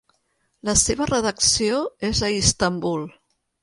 La seva redacció és a Istanbul.